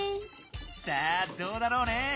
さあどうだろうね。